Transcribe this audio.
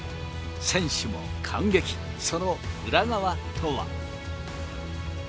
選手も感激、その裏側とは。